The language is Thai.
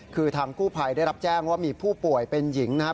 คือทางกู้ภัยได้รับแจ้งว่ามีผู้ป่วยเป็นหญิงนะครับ